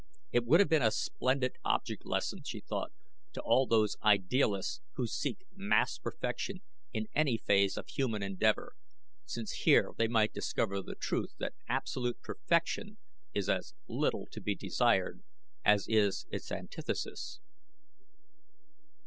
It would have been a splendid object lesson, she thought, to all those idealists who seek mass perfection in any phase of human endeavor, since here they might discover the truth that absolute perfection is as little to be desired as is its antithesis.